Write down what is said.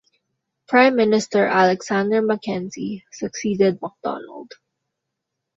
Prime Minister Alexander Mackenzie succeeded Macdonald.